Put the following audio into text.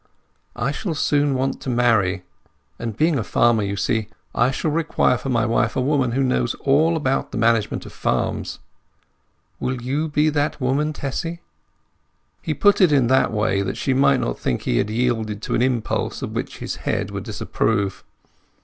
I shall soon want to marry, and, being a farmer, you see I shall require for my wife a woman who knows all about the management of farms. Will you be that woman, Tessy?" He put it that way that she might not think he had yielded to an impulse of which his head would disapprove.